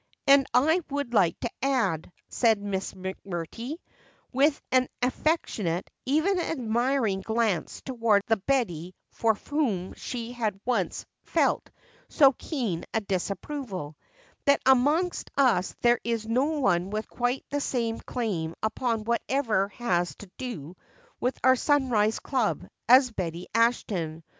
"And I would like to add," said Miss McMurtry, with an affectionate, even an admiring glance toward the Betty for whom she had once felt so keen a disapproval, "that among us there is no one with quite the same claim upon whatever has to do with our Sunrise club as Betty Ashton.